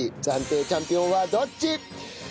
暫定チャンピオンはどっち！？